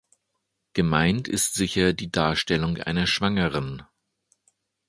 Gemeint ist sicher die Darstellung einer Schwangeren.